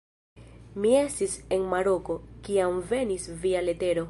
Mi estis en Maroko, kiam venis via letero.